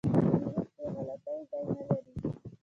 پیلوټ د غلطي ځای نه لري.